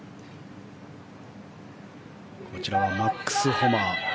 こちらはマックス・ホマ。